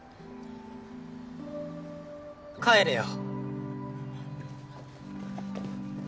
帰れよ。